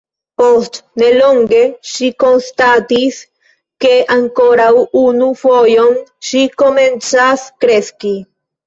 Post ne longe ŝi konstatis ke ankoraŭ unu fojon ŝi komencas kreski.